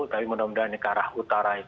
tapi mudah mudahan ini ke arah utara itu